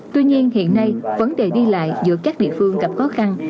tuy nhiên hiện nay vấn đề đi lại giữa các địa phương gặp khó khăn